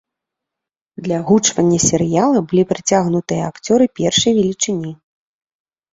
Для агучвання серыяла былі прыцягнутыя акцёры першай велічыні.